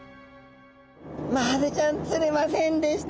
マハゼちゃん釣れませんでした。